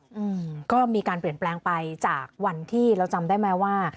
อืมก็มีการเปลี่ยนแปลงไปจากวันที่เราจำได้ไหมว่า